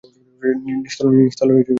নিচতলায় আমরা থাকি।